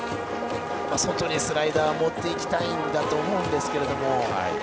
外にスライダーを持っていきたいんだと思うんですが。